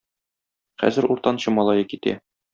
Хәзер уртанчы малае китә.